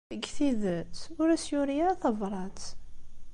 Deg tidet, ur as-yuri ara tabṛat.